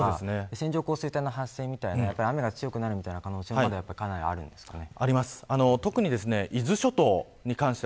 線状降水帯の発生みたいな雨が強くなる可能性もかなりあるんですかね。